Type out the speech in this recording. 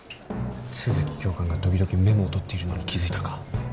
都築教官が時々メモを取っているのに気付いたか？